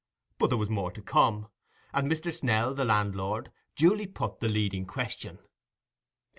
But there was more to come; and Mr. Snell, the landlord, duly put the leading question.